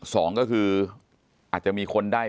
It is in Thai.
สองก็คืออาจจะมีคนได้